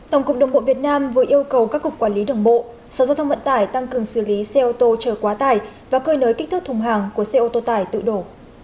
tổng cục đồng bộ việt nam vừa yêu cầu các cục quản lý đường bộ sở giao thông vận tải tăng cường xử lý xe ô tô chở quá tải và cơi nới kích thước thùng hàng của xe ô tô tải tự đổ